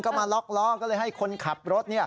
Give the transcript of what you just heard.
ก็มาล็อกล้อก็เลยให้คนขับรถ